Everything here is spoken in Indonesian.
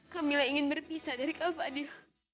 kamila ingin berpisah dari kak fadlil